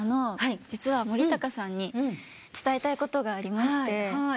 実は森高さんに伝えたいことがありまして。